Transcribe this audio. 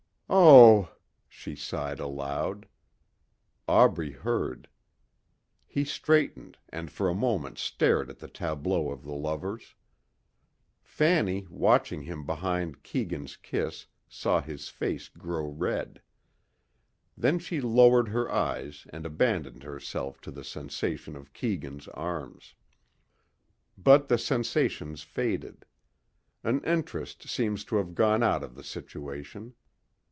"Oh," she sighed aloud. Aubrey heard. He straightened and for a moment stared at the tableau of the lovers. Fanny watching him behind Keegan's kiss saw his face grow red. Then she lowered her eyes and abandoned herself to the sensation of Keegan's arms. But the sensations faded. An interest seemed to have gone out of the situation.